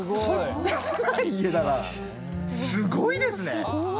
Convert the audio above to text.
すごいですね！